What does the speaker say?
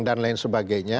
dan lain sebagainya